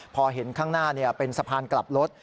พอเห็นข้างหน้าเป็นสะพานกลับรถ